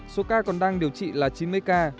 số ca còn đang điều trị là chín mươi ca